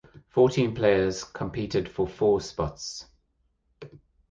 Fourteen players competed for four spots.